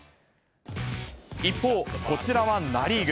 一方、こちらはナ・リーグ。